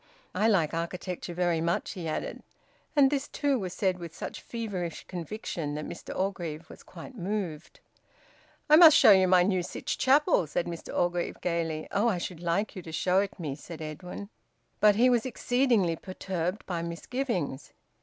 "I like architecture very much," he added. And this too was said with such feverish conviction that Mr Orgreave was quite moved. "I must show you my new Sytch Chapel," said Mr Orgreave gaily. "Oh! I should like you to show it me," said Edwin. But he was exceedingly perturbed by misgivings.